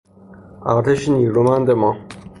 ارتش نیرومند ما